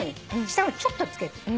下ちょっとつける。